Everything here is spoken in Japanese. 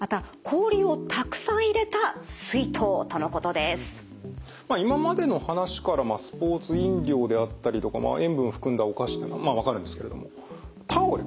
まずはまあ今までの話からスポーツ飲料であったりとか塩分を含んだお菓子っていうのはまあ分かるんですけれどもタオル。